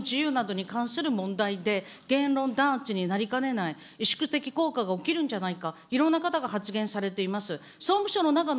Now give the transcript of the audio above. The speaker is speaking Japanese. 山田秘書官が言っているように、これ、非常に表現の自由などに関する問題で言論弾圧になりかねない、萎縮的効果が起きるのではないか、いろんな方が発言されています。